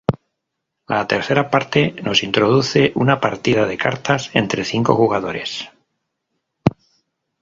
La tercera parte nos introduce una partida de cartas entre cinco jugadores.